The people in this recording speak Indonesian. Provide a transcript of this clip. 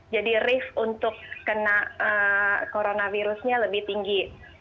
jadi risk untuk kena coronavirusnya lebih tinggi